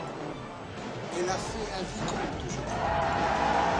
Elle a fait un vicomte, je crois.